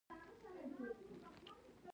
نېږدې و په تاوتریخوالي واوړي.